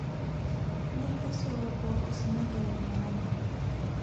免許証を交付しなければならない